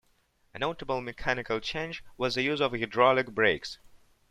A notable mechanical change was the use of hydraulic brakes.